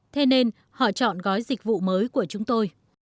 thế nên họ chọn gói dịch vụ mới của chúng tôi